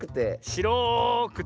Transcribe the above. しろくて。